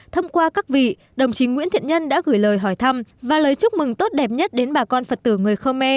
thông qua các vị đồng chí nguyễn thiện nhân đã gửi lời hỏi thăm và lời chúc mừng tốt đẹp nhất đến bà con phật tử người khơ me